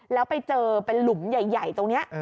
แล้วไปเจอเป็นหลุมใหญ่ตรงนี้